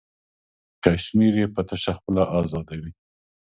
کشمیر یې په تشه خوله ازادوي.